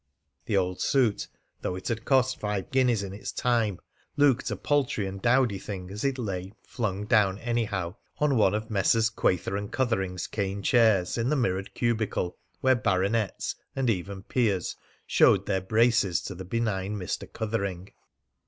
The old suit, though it had cost five guineas in its time, looked a paltry and a dowdy thing as it lay, flung down anyhow, on one of Messrs. Quayther and Cuthering's cane chairs in the mirrored cubicle where baronets and even peers showed their braces to the benign Mr. Cuthering.